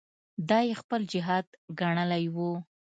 دا یې خپل جهاد ګڼلی وو.